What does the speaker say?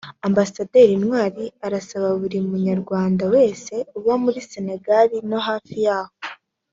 Ambasaderi Ntwari arasaba buri Munywarwanda wese uba muri Sénégal no hafi yaho